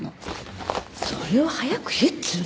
それを早く言えっつうの！